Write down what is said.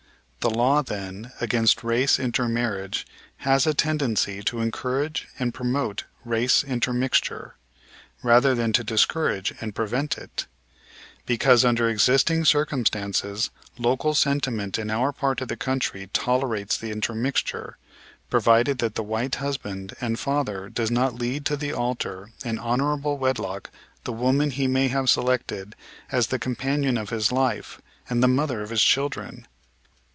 The law, then, against race intermarriage has a tendency to encourage and promote race intermixture, rather than to discourage and prevent it; because under existing circumstances local sentiment in our part of the country tolerates the intermixture, provided that the white husband and father does not lead to the altar in honorable wedlock the woman he may have selected as the companion of his life, and the mother of his children.